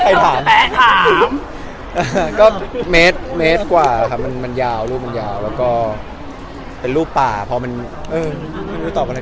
ใครถามก็เมตรกว่าค่ะมันยาวรูปมันยาวแล้วก็เป็นรูปป่าพอมันเออไม่รู้ตอบอะไรก็ใหญ่